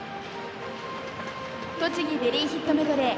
「とちぎベリーヒットメドレー」。